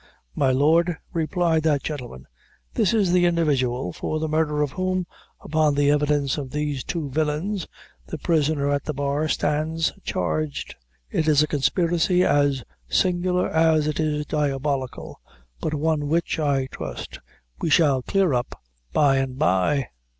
"My lord," replied that gentleman, "this is the individual for the murder of whom, upon the evidence of these two villains, the prisoner at the bar stands charged. It is a conspiracy as singular as it is diabolical; but one which, I trust, we shall clear up, by and by."